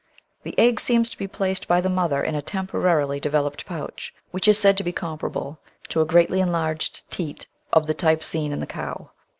The egg seems to be placed by the mother in a temporarily developed pouch, which is said to be comparable to a greatly enlarged teat of the type seen in the cow.